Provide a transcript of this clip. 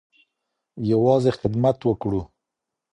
يوازې خدمت وکړو.